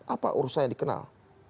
apa urusan yang dikenal